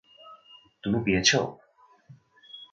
তুমি পেয়েছো?